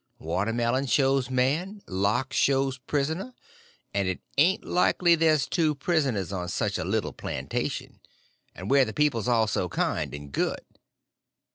Watermelon shows man, lock shows prisoner; and it ain't likely there's two prisoners on such a little plantation, and where the people's all so kind and good.